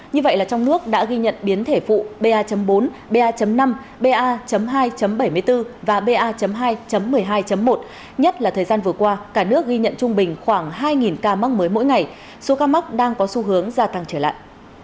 như vậy là trong nước đã ghi nhận biến thể phụ ba bốn ba năm ba hai bảy mươi bốn và ba hai một mươi hai một nhất là thời gian vừa qua cả nước ghi nhận trung bình khoảng hai ca mắc mới mỗi ngày số ca mắc đang có xu hướng gia tăng trở lại